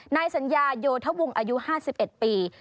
นายสัญญาโยธวงศ์อายุ๕๑ปี